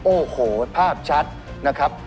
โอ้โหภาพชัดนะครับ